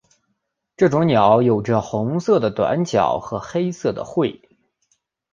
这种鸟有着红色的短腿和黑色的喙。